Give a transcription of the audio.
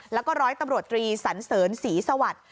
แล้วก็ร้อยตำรวจตรีสันเสริญศรีสวัสดิ์